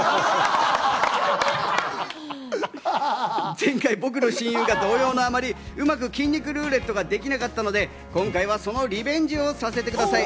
前回、僕の親友が動揺のあまり、うまく筋肉ルーレットができなかったので、今回はそのリベンジをさせてください。